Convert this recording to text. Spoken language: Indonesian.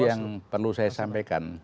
itu yang perlu saya sampaikan